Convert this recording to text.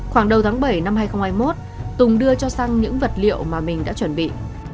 khoảng đầu tháng bảy năm hai nghìn hai mươi một tùng đưa cho sang những vật liệu mà mình đã chuẩn bị